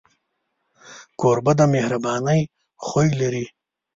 کوربه د مهربانۍ خوی لري.